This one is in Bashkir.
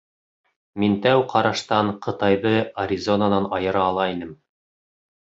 Мин тәү ҡараштан Ҡытайҙы Аризонан айыра ала инем.